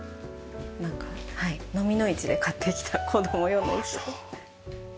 なんかのみの市で買ってきた子供用の椅子です。